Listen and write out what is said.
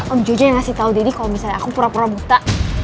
om jojo yang ngasih tahu deddy kalau misalnya aku pura pura buta